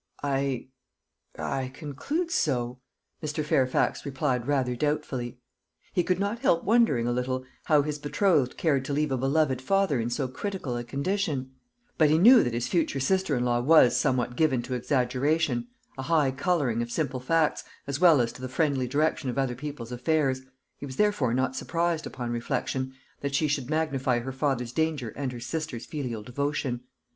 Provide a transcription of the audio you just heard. "I I conclude so," Mr. Fairfax replied rather doubtfully. He could not help wondering a little how his betrothed cared to leave a beloved father in so critical a condition; but he knew that his future sister in law was somewhat given to exaggeration, a high colouring of simple facts, as well as to the friendly direction of other people's affairs. He was therefore not surprised, upon reflection, that she should magnify her father's danger and her sister's filial devotion.